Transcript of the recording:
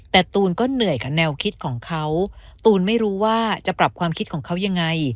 แต่ตูนก็เหนื่อยกับแนวคิดของเขาตูนไม่รู้ว่าจะปรับความคิดของเขายังไง